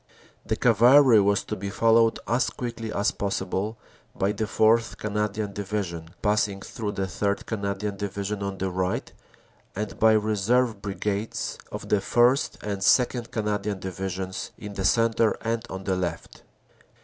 The cavalry was to be followed as quickly as possible by the 4th. 38 CANADA S HUNDRED DAYS Canadian Division, passing through the 3rd. Canadian Divi sion on the right, and by reserve Brigades of the 1st. and 2nd. Canadian Divisions in the centre and on the left.